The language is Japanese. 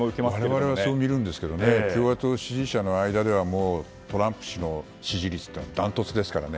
我々はそう見ますが共和党支持者の間ではトランプ氏の支持率はダントツですからね。